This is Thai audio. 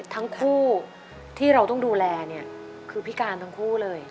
ทั้งคู่ที่เราต้องดูแลเนี่ยคือพิการทั้งคู่เลย